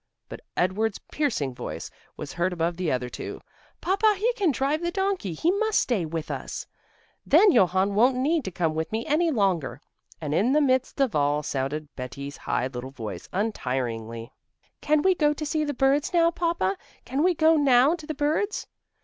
But Edward's piercing voice was heard above the other two: "Papa, he can drive the donkey, he must stay with us, then Johann won't need to come with me any longer!" And in the midst of all sounded Betti's high little voice, untiringly: "Can we go to see the birds now, Papa? Can we go now to the birds?"